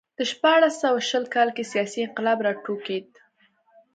په شپاړس سوه شل کال کې سیاسي انقلاب راوټوکېد.